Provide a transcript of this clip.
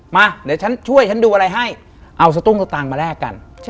มาเดี๋ยวฉันช่วยฉันดูอะไรให้เอาสตุ้งสตางค์มาแลกกัน